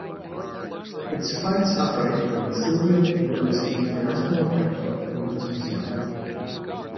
Its flights operate from Silvio Pettirossi International Airport in Asunción.